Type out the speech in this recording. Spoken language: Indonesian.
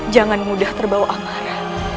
jangan mudah terbawa amarah